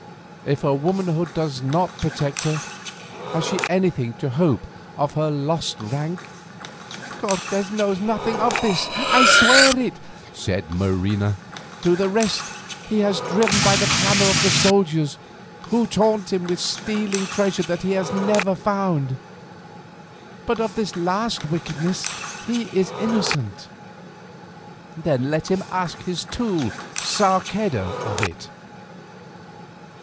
If her womanhood does not protect her, has she anything to hope of her lost rank?" "Cortes knows nothing of this, I swear it," said Marina. "To the rest he has been driven by the clamour of the soldiers, who taunt him with stealing treasure that he has never found. But of this last wickedness he is innocent." "Then let him ask his tool Sarceda of it."